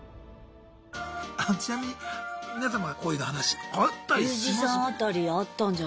ちなみに皆様恋の話あったりします？